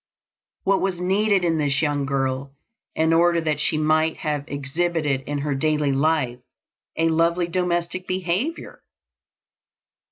What was needed in this young girl in order that she might have exhibited in her daily life a "lovely domestic behavior"?